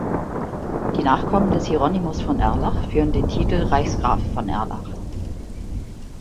Die Nachkommen des Hieronymus von Erlach führen den Titel Reichsgraf von Erlach.